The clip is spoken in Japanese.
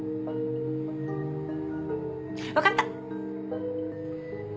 わかった。